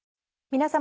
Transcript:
皆様。